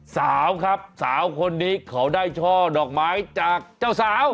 สาวครับสาวคนนี้เขาได้ช่อดอกไม้จากเจ้าสาว